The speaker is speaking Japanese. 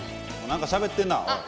何かしゃべってんなおい。